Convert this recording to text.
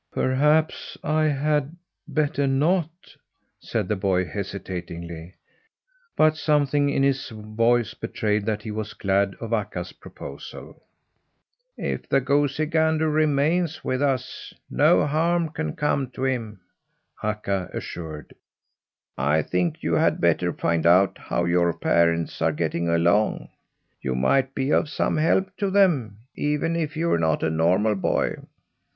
"Perhaps I had better not," said the boy hesitatingly, but something in his voice betrayed that he was glad of Akka's proposal. "If the goosey gander remains with us, no harm can come to him," Akka assured. "I think you had better find out how your parents are getting along. You might be of some help to them, even if you're not a normal boy."